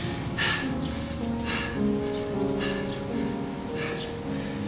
ああ。